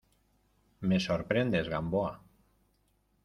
me sorprendes, Gamboa.